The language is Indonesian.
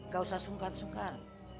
gak usah sungkan sungkan